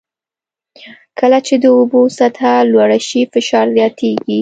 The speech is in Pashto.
کله چې د اوبو سطحه لوړه شي فشار زیاتېږي.